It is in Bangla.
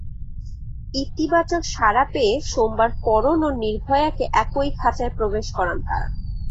ইতিবাচক সাড়া পেয়ে সোমবার করণ ও নির্ভয়াকে একই খাঁচায় প্রবেশ করান তাঁরা।